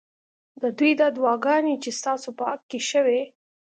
ددوی دا دعاګانې چې ستا سو په حق کي شوي